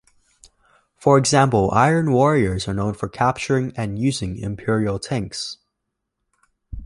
For example, Iron Warriors are known for capturing and using Imperial tanks.